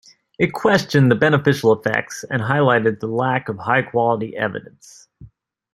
It questioned the beneficial effects and highlighted the lack of high-quality evidence.